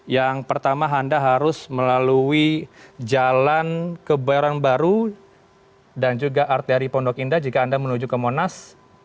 yang pertama anda harus melalui jalan kebayoran baru dan juga arteri pondok indah jika anda menuju ke monas